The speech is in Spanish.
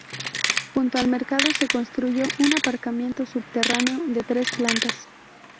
Junto al mercado se construyó un aparcamiento subterráneo de tres plantas.